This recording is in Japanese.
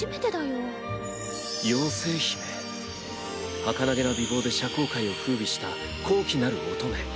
はかなげな美貌で社交界を風靡した高貴なる乙女。